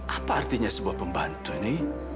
apa artinya sebuah pembantu ini